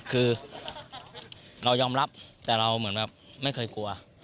คือเรายอมรับแต่เราเหมือนแบบไม่เคยกลัว